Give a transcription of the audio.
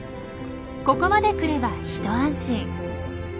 ここまで来れば一安心。